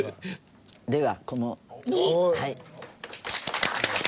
ではこのはい。